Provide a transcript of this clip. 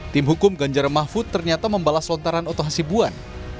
tim hukum ganjar mahfud ternyata membalas lontaran oto hasibuan